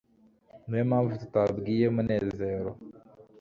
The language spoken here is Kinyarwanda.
niyo mpamvu tutabwiye munezero